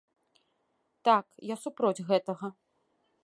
Так, я супроць гэтага.